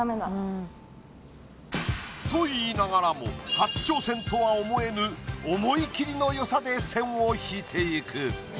と言いながらも初挑戦とは思えぬ思い切りのよさで線を引いていく。